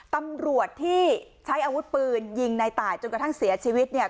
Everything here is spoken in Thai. ตำรวจที่ใช้อาวุธปืนยิงในตายจนกระทั่งเสียชีวิตเนี่ย